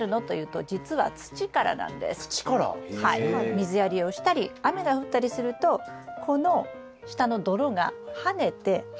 水やりをしたり雨が降ったりするとこの下の泥がはねて葉っぱにつくことがあります。